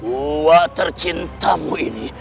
uwah tercintamu ini